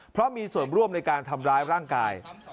เพราะมีส่วนร่วมในการทำร้ายร่างกาย